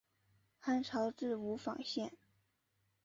汉朝置吴房县。